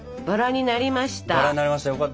バラになりました。